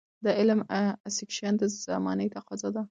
د علم Acquisition د زمانې تقاضا ده.